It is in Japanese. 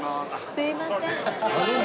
すいません。